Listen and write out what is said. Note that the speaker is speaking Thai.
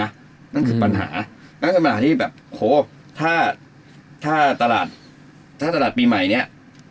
นั่นคือปัญหานั่นคือปัญหาที่แบบโหถ้าถ้าตลาดถ้าตลาดปีใหม่เนี่ย